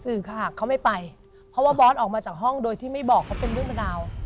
สื่อค่ะเขาไม่ไปเพราะว่าบอสออกมาจากห้องโดยที่ไม่บอกเขาเป็นเรื่องเป็นราว